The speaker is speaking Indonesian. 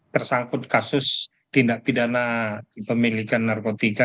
tersangkut kasus tindak pidana kepemilikan narkotika